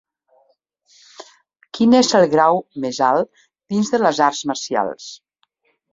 Quin és el grau més alt dins de les arts marcials?